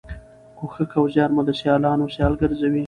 کوښښ او زیار مو د سیالانو سیال ګرځوي.